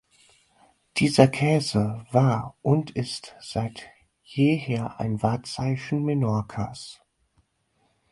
Dieser Käse war und ist seit jeher ein Wahrzeichen Menorcas.